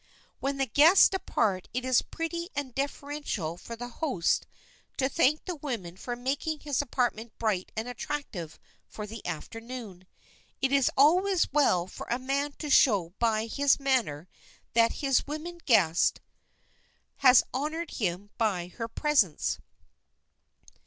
When the guests depart it is pretty and deferential for the host to thank the women for making his apartment bright and attractive for the afternoon. It is always well for a man to show by his manner that his woman guest has honored him by her presence.